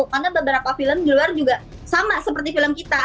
karena beberapa film di luar juga sama seperti film kita